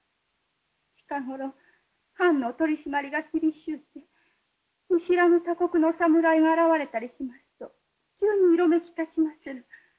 近頃藩の取締りが厳しゅうて見知らぬ他国のお侍が現れたりしますと急に色めきたちまする。